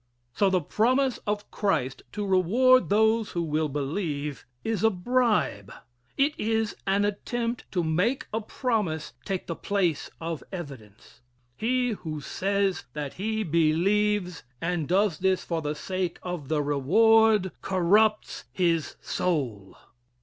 So, the promise of Christ to reward those who will believe is a bribe. It is an attempt to make a promise take the place of evidence. He who says that he believes, and does this for the sake of the reward, corrupts his soul.